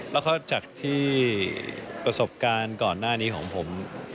แล้วก็จากที่ประสบการณ์ก่อนหน้านี้ของผม